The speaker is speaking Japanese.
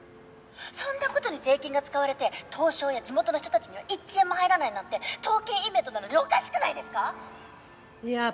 そんなことに税金が使われて刀匠や地元の人たちには１円も入らないなんて刀剣イベントなのにおかしくないですか！？